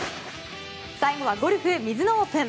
最後はゴルフ、ミズノオープン。